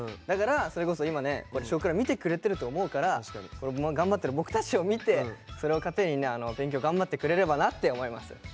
だからそれこそ今ね「少クラ」見てくれてると思うから頑張ってる僕たちを見てそれを糧にね勉強頑張ってくれればなって思います。